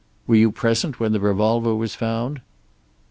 "Were you present when the revolver was found?"